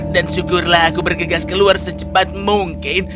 dan syukurlah aku bergegas keluar secepat mungkin